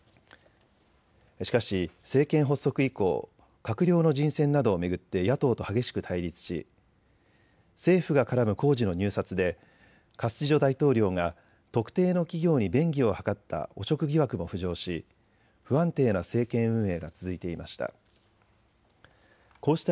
しかし政権発足以降、閣僚の人選などを巡って野党と激しく対立し政府が絡む工事の入札でカスティジョ大統領が特定の企業に便宜を図った汚職疑惑も浮上し不安定な政権運営が続いていました。